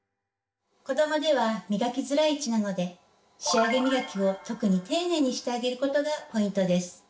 子どもでは磨きづらい位置なので仕上げ磨きを特に丁寧にしてあげることがポイントです。